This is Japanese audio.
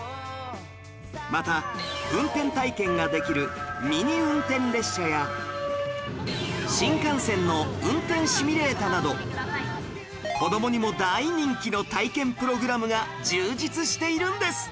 また運転体験ができるミニ運転列車や新幹線の運転シミュレータなど子どもにも大人気の体験プログラムが充実しているんです